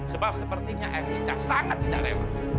sebab sepertinya amerika sangat tidak lewat